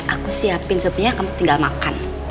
aku siapin sopirnya kamu tinggal makan